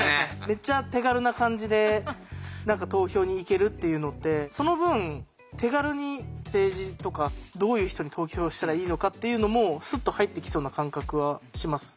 めっちゃ手軽な感じで何か投票に行けるっていうのってその分手軽に政治とかどういう人に投票したらいいのかっていうのもスッと入ってきそうな感覚はします。